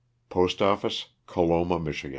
Postoffice, Coloma, Mich. W.